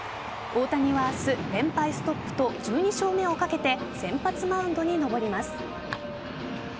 大谷は明日連敗ストップと１２勝目をかけて先発マウンドに上ります。